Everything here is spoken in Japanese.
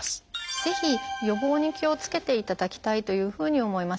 ぜひ予防に気をつけていただきたいというふうに思います。